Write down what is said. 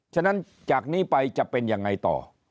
ฉะนั้นจากนี้ไปจะเป็นยังไงต่อ